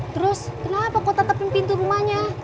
terus kenapa kau tatapin pintu rumahnya